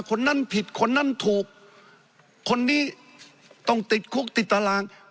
คนนั้นผิดคนนั้นถูกคนนี้ต้องติดคุกติดตาราง